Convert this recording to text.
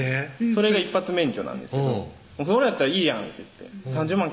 それが一発免許なんですけど「それやったらいいやん３０万